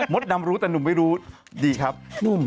ดำรู้แต่หนุ่มไม่รู้ดีครับ